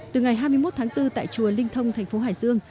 từ ngày hai mươi một tháng bốn tại chùa linh thông tp hải dương